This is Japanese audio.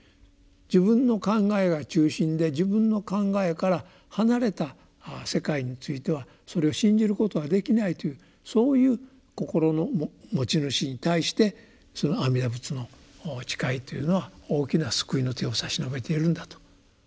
自分の考えが中心で自分の考えから離れた世界についてはそれを信じることはできないというそういう心の持ち主に対してその阿弥陀仏の誓いというのは大きな救いの手を差し伸べているんだと。